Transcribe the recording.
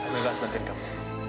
aku ikhlas bantuin kamu